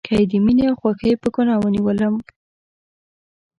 که یې د میینې او خوښۍ په ګناه ونیولم